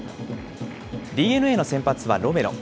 ＤｅＮＡの先発はロメロ。